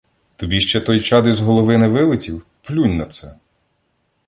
— Тобі ще той чад із голови не вилетів? Плюнь на це.